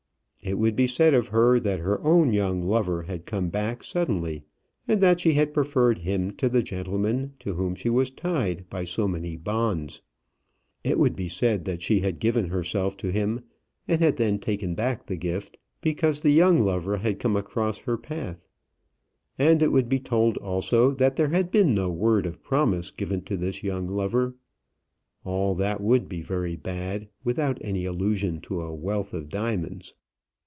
It would be said of her that her own young lover had come back suddenly, and that she had preferred him to the gentleman to whom she was tied by so many bonds. It would be said that she had given herself to him and had then taken back the gift, because the young lover had come across her path. And it would be told also that there had been no word of promise given to this young lover. All that would be very bad, without any allusion to a wealth of diamonds.